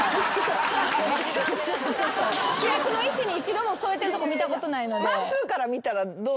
主役の意思に一度も沿えてるとこ見たことない。